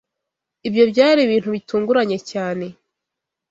Ibyo byari ibintu bitunguranye cyane.